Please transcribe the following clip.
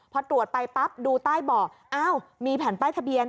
พอตรวจไปปั๊บดูใต้เบาะอ้าวมีแผ่นป้ายทะเบียน